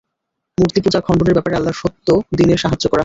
মূর্তিপূজা খণ্ডনের ব্যাপারে আল্লাহর সত্য দীনের সাহায্য করা।